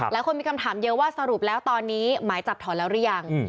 หลายคนมีคำถามเยอะว่าสรุปแล้วตอนนี้หมายจับถอนแล้วหรือยัง